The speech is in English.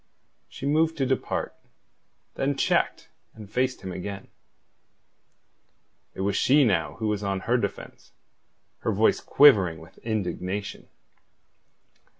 She moved to depart, then checked, and faced him again. It was she now who was on her defence, her voice quivering with indignation.